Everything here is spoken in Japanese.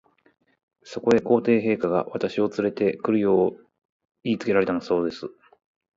そこへ、皇帝陛下が、私をつれて来るよう言いつけられたのだそうです。